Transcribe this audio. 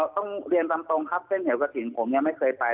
ต้องเรียนตามตรงครับเส้นเหนียวกระถิ่นผมยังไม่เคยไป